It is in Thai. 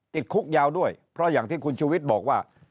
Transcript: ติดคุกยาวด้วยเพราะอย่างที่คุณชูวิทย์บอกว่า